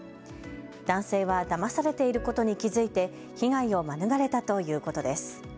男性はだまされていることに気付いて被害を免れたということです。